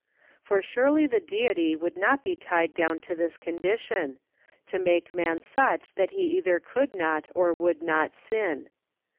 For surely the Deity could not be tied down to this condition, to make man such that he either could not or would not sin.